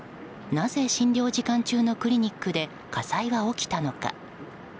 なぜ診療時間中のクリニックで火災が起きたのか？